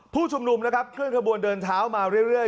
ผู้ชุมนุมนะครับเคลื่อนขบวนเดินเท้ามาเรื่อย